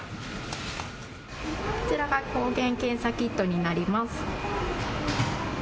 こちらが抗原検査キットになります。